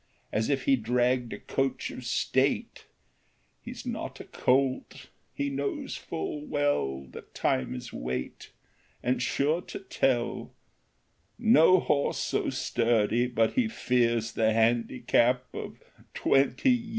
As if he dragged a coach of state ; He 's not a colt ; he knows full well That time is weight and sure to tell ; No horse so sturdy but he fears The handicap of twenty years.